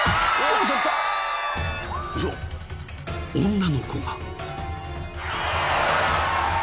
［女の子が］